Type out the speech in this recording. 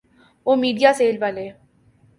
وہ میڈیاسیل والے؟